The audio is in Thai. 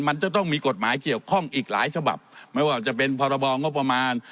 มันจะต้องมีกฎหมายเกี่ยวข้องอีกหลายฉบับไม่ว่าจะเป็นพรบงบประมาณ